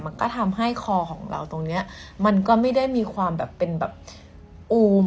มันก็ทำให้คอของเราตรงนี้มันก็ไม่ได้มีความแบบเป็นแบบอูม